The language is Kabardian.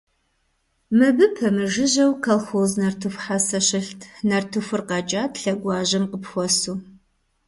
Мыбы пэмыжыжьэу колхоз нартыху хьэсэ щылът, нартыхур къэкӏат лъэгуажьэм къыпхуэсу.